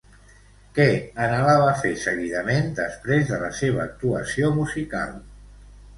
Què anhelava fer seguidament després de la seva actuació musical?